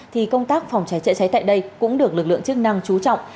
thì công tác phòng cháy chữa cháy tại đây cũng được lực lượng chức năng chú trọng